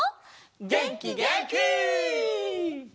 げんきげんき！